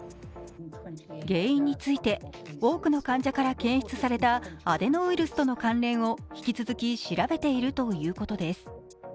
原因について、多くの患者から検出されたアデノウイルスとの関連を引き続き調べているとのことです。